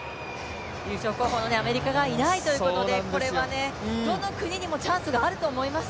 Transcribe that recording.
優勝候補のアメリカがいないということでこれはどの国にもチャンスがあると思います。